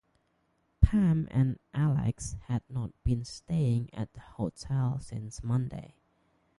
Pam and Alex had not been staying at the hotel since Monday.